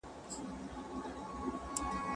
¬ اسان ئې نالول، چنگوښو هم پښې پورته کړې.